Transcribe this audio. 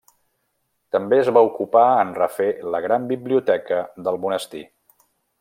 També es va ocupar en refer la gran biblioteca del Monestir.